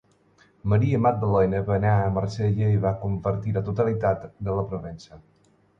Maria Magdalena va anar a Marsella i va convertir la totalitat de la Provença.